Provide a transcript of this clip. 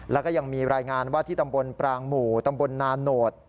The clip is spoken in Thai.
แล้วก็ยังมีรายงานว่าที่ตำบลปรางหมู่ตำบลนานโหด